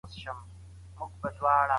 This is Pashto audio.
په خپلو ټکو کي به مهرباني کاروئ.